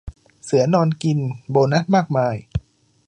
เสือนอนกิน โบนัสมากมาย